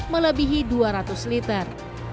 melebihi dua ratus liter